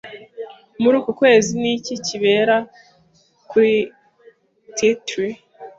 Muri uku kwezi ni iki kibera kuri theatre?